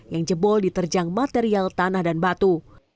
yang jebol diterjang material tanah dan batu